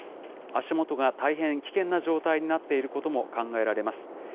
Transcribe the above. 足元が大変危険な状態になっていることも考えられます。